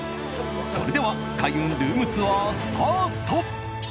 それでは開運ルームツアースタート！